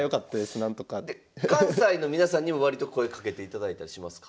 関西の皆さんにも割と声かけていただいたりしますか？